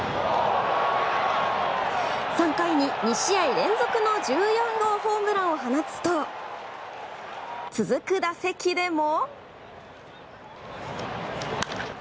３回に２試合連続の１４号ホームランを放つと続く打席でも。